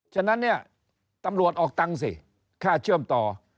ฉะนั้นเนี่ยตำรวจออกตังค์สิค่าเชื่อมต่อ